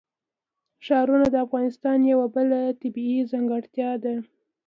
ښارونه د افغانستان یوه بله طبیعي ځانګړتیا ده.